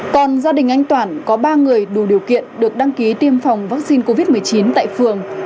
còn gia đình anh toản có ba người đủ điều kiện được đăng ký tiêm phòng vaccine covid một mươi chín tại phường